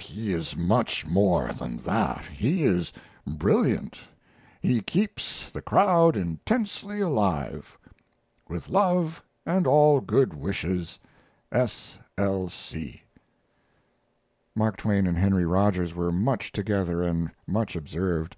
He is much more than that, he is brilliant. He keeps the crowd intensely alive. With love & all good wishes. S. L. C. Mark Twain and Henry Rogers were much together and much observed.